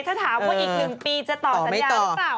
ถ้าถามว่าอีก๑ปีจะต่อสัญญาหรือเปล่า